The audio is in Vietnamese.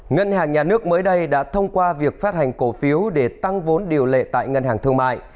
ngân hàng nhà nước mới đây đã thông qua việc phát hành cổ phiếu để tăng vốn điều lệ tại ngân hàng thương mại